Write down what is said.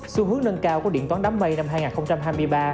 xu hướng nâng cao của điện toán đám mây năm hai nghìn hai mươi ba